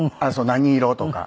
「何色？」とか。